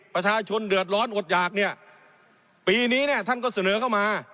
ประชาชนเดือดร้อนอดหยากเนี่ยปีนี้เนี่ยท่านก็เสนอเข้ามา